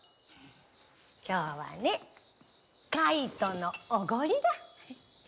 今日はね介人のおごりだ！